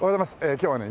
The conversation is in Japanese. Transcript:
今日はね